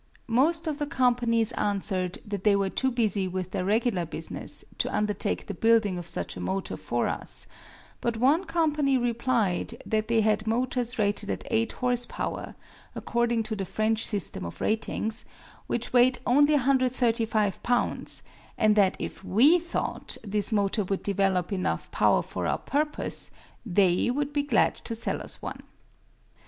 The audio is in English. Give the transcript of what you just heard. Most of the companies answered that they were too busy with their regular business to undertake the building of such a motor for us; but one company replied that they had motors rated at 8 horse power, according to the French system of ratings, which weighed only 135 pounds, and that if we thought this motor would develop enough power for our purpose they would be glad to sell us one.